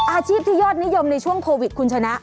อาชีพที่ยอดนิยมในช่วงโควิดคุณชนะ